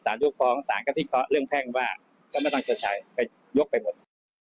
สั่งรุ่งภ้องสั่งกับพี่เค้าเรื่องแพ่งว่าก็ไม่ต้องชัดใช้ยกไปหมด